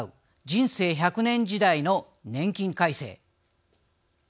人生１００年時代の年金改正。